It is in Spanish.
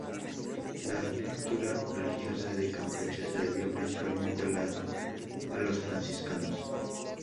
La arquitectura religiosa de Campeche se debió principalmente a los franciscanos.